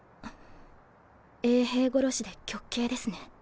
衛兵殺しで極刑ですね。